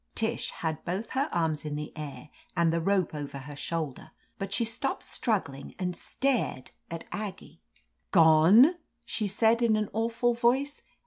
Tish had both her arms in the air and the rope over her shoulder, but she stopped strug gling and stared at Aggie. "Grone !" she said in an awful voice.